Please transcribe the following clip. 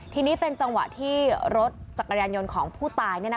ทีนี้เป็นจังหวะที่รถจักรยานยนต์ของผู้ตาย